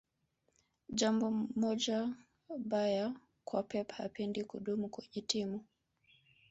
jambo moja baya kwa pep hapendi kudumu kwenye timu